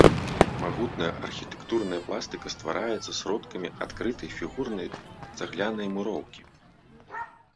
Магутная архітэктурная пластыка ствараецца сродкамі адкрытай фігурнай цаглянай муроўкі.